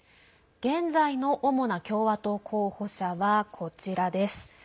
現在の主な共和党候補者はこちらです。